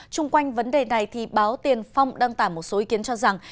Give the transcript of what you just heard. trung quanh vấn đề này báo tiền phong đăng tả một số ý kiến cho rằng